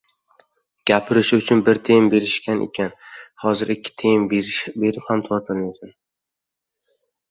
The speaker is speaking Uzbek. • Gapirishi uchun bir tiyin berishgan edi, hozir ikki tiyin berib ham to‘xtatolmaysan.